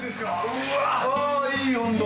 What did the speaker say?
うわいい温度。